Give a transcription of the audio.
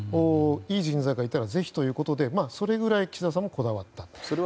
いい人材がいたらぜひということでそれぐらい岸田さんもこだわった。